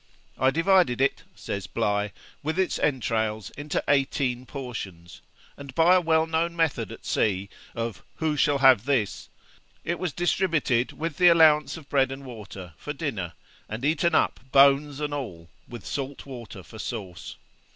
'I divided it,' says Bligh, 'with its entrails, into eighteen portions, and by a well known method at sea, of "Who shall have this?" it was distributed, with the allowance of bread and water for dinner, and eaten up, bones and all, with salt water for sauce.